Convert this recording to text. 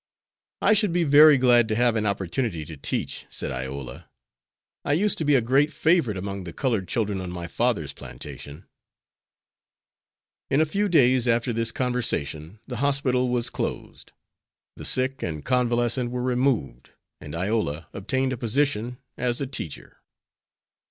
"I should be very glad to have an opportunity to teach," said Iola. "I used to be a great favorite among the colored children on my father's plantation." In a few days after this conversation the hospital was closed. The sick and convalescent were removed, and Iola obtained a position as a teacher.